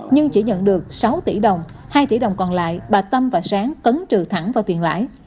nhưng chỉ nhận được sáu tỷ đồng hai tỷ đồng còn lại bà tâm và sáng cấn trừ thẳng vào tiền lãi